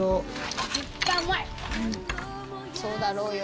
そうだろうよ。